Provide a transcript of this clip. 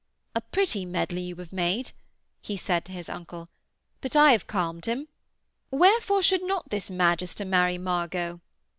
'A pretty medley you have made,' he said to his uncle, 'but I have calmed him. Wherefore should not this magister marry Margot?'